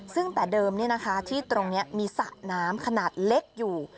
ซึ่งแต่เดิมที่ตรงนี้มีสระน้ำขนาดเล็กอยู่